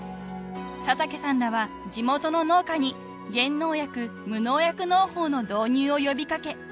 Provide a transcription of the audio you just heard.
［佐竹さんらは地元の農家に減農薬無農薬農法の導入を呼び掛け